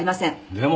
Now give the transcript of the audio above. でも。